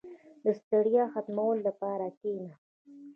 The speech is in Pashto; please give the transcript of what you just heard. • د ستړیا ختمولو لپاره کښېنه.